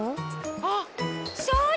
あっそうだった！